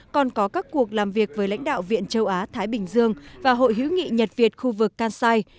còn có các cuộc làm việc với lãnh đạo viện châu á thái bình dương và hội hữu nghị nhật việt khu vực kansai